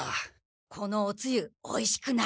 このおつゆおいしくない。